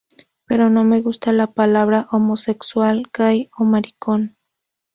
Pero no me gusta la palabra homosexual, gay o maricón.